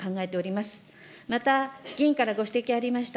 また、委員からご指摘ありました